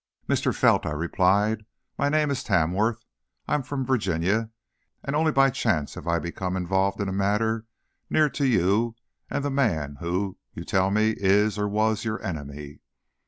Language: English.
"Mr. Felt," I replied, "my name is Tamworth. I am from Virginia, and only by chance have I become involved in a matter near to you and the man who, you tell me, is, or was, your enemy.